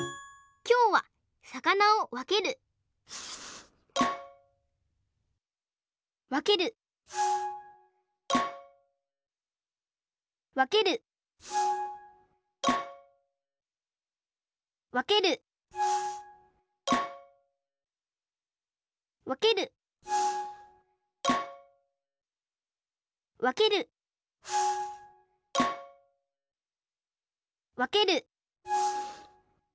きょうはさかなをわけるわけるわけるわけるわけるわけるわける